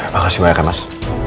makasih banyak ya mas